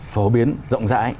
phổ biến rộng rãi